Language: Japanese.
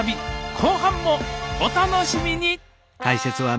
後半もお楽しみに！